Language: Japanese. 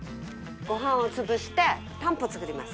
ご飯を潰してたんぽを作ります。